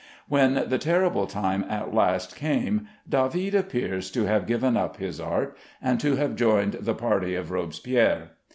When the terrible time at last came, David appears to have given up his art, and to have joined the party of Robespierre.